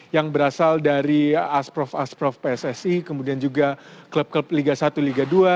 yang berasal dari asprof asprof pssi kemudian juga klub klub liga satu liga dua